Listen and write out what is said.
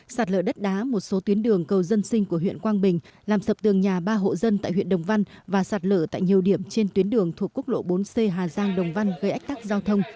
sạt lở đất đá một số tuyến đường cầu dân sinh của huyện quang bình làm sập tường nhà ba hộ dân tại huyện đồng văn và sạt lở tại nhiều điểm trên tuyến đường thuộc quốc lộ bốn c hà giang đồng văn gây ách tắc giao thông